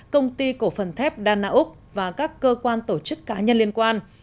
công ty cổ phần thép đa na úc và các cơ quan tổ chức cá nhân liên quan